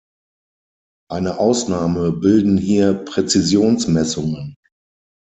Eine Ausnahme bilden hier Präzisionsmessungen.